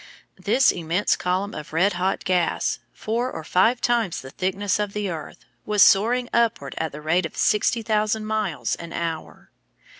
This immense column of red hot gas, four or five times the thickness of the earth, was soaring upward at the rate of 60,000 miles an hour.